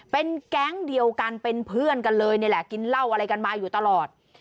เป็นแก๊งเดียวกันเป็นเพื่อนกันเลยนี่แหละกินเหล้าอะไรกันมาอยู่ตลอด